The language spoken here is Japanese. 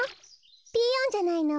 ピーヨンじゃないの。